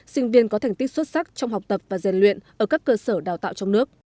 sinh viên có thành tích xuất sắc trong học tập và rèn luyện ở các cơ sở đào tạo trong nước